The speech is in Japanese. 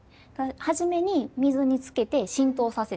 初めに水につけて浸透させてる。